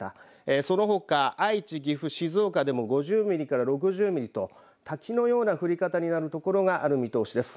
そのほか愛知、岐阜、静岡でも５０ミリから６０ミリと滝のような降り方になるところがある見通しです。